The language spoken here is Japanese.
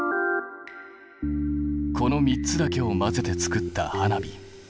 この３つだけを混ぜて作った花火。